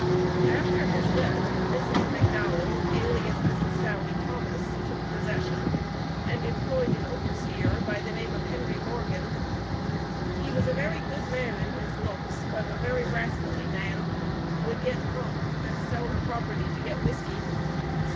After his death Mrs. McDowell, alias Mrs. Sally Thomas, took possession, and employed an overseer, by the name of Henry Morgan. He was a very good man in his looks, but a very rascally man; would get drunk, and sell her property to get whisky.